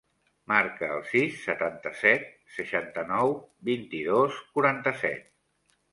Marca el sis, setanta-set, seixanta-nou, vint-i-dos, quaranta-set.